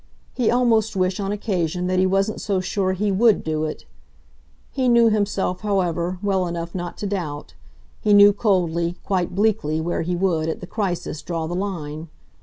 He almost wished, on occasion, that he wasn't so sure he WOULD do it. He knew himself, however, well enough not to doubt: he knew coldly, quite bleakly, where he would, at the crisis, draw the line.